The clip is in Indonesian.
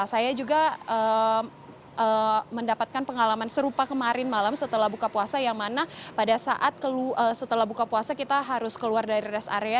saya juga mendapatkan pengalaman serupa kemarin malam setelah buka puasa yang mana pada saat setelah buka puasa kita harus keluar dari rest area